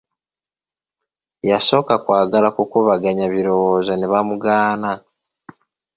Yasooka kwagala kukubaganya birowoozo ne bamugaana.